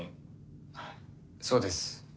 はいそうです。